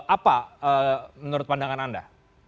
apa menurut pandangan anda